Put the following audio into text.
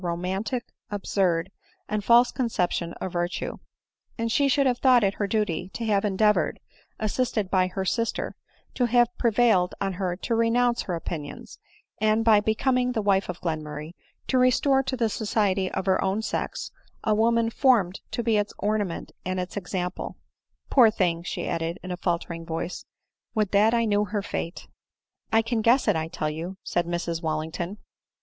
romantic, absurd, and false conception of virtue ; and she should have thought it her duty to have endeavored, assisted by her sister, to have prevailed on her to renounce her opinions, and, by becoming the wife of Glenmurray, to restore to the society of her own sex, a woman formed to be its ornament and its example. Poor thing !" she added in a faltering voice, " would that I knew her fate !"" I can guess it, I tell you/' said Mrs Wallington.